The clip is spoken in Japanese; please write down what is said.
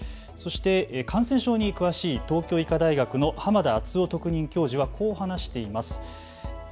そして感染症に詳しい東京医科大学の濱田篤郎特任教授はこう話しています。